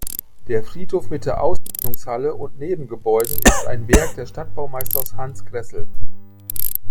Der Friedhof mit der Aussegnungshalle und Nebengebäuden ist ein Werk des Stadtbaumeisters Hans Grässel.